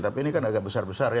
tapi ini kan agak besar besar ya